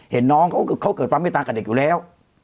เห็นน้องเขาเขาเกิดฟังไม่ตามกับเด็กอยู่แล้ว